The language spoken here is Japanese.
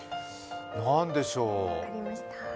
何でしょう。